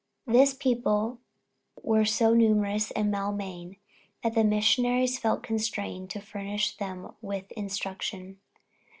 This people were so numerous in Maulmain that the missionaries felt constrained to furnish them with instruction.